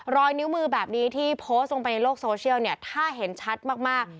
รอยนิ้วมือแบบนี้ที่โพสต์ลงไปในโลกโซเชียลเนี่ยถ้าเห็นชัดมาก